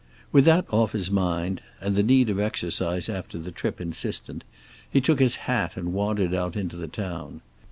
With that off his mind, and the need of exercise after the trip insistent, he took his hat and wandered out into the town.